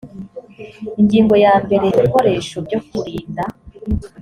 ingingo ya mbere ibikoresho byo kurinda